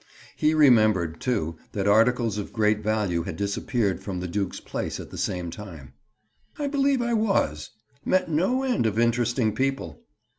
He remembered, too, that articles of great value had disappeared from the duke's place at the same time. "I believe I was. Met no end of interesting people!"